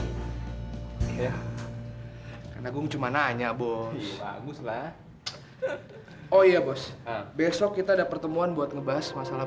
ya karena gue cuma nanya boslah oh iya bos besok kita ada pertemuan buat ngebahas masalah